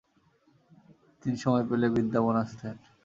তিনি সময় পেলেই বৃন্দাবন আসতেন।